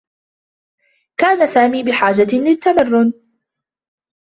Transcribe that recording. كان سامي بحاجة للتّمرّن.